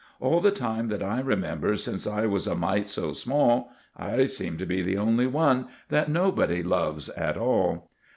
All the time that I remember, since I was a mite so small, I seem to be the only one that nobody loves at all.